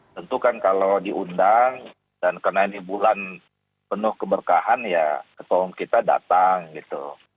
tentu kan kalau diundang dan karena ini bulan penuh keberkahan ya ketua umum kita datang gitu